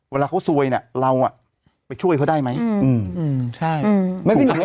เวลาเขาซวยเราไปช่วยเขาได้ไหม